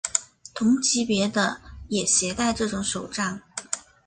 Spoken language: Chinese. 同级别的也携带这种手杖。